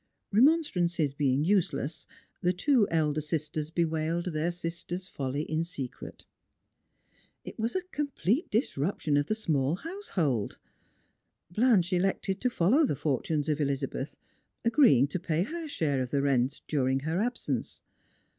Remonstrance being useless, the two elder sisters bewailed their sister's folly in secret. It was a complete disruption of the small household. Blanche elected to follow the fortunes of Elizabeth, agrtieing to pay her share of the rent during her ab sence.